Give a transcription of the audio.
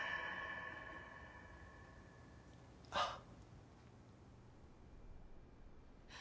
ああ。